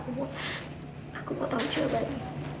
aku mau tau jawabannya